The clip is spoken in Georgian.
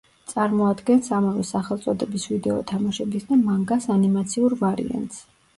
წარმოადგენს ამავე სახელწოდების ვიდეო თამაშების და მანგას ანიმაციურ ვარიანტს.